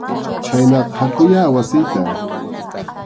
Chhaynaqa hakuyá wasiyta.